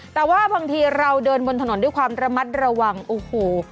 แต่ว่าบางทีเราเดินบนถนนด้วยความระมัดระวังโอ้โห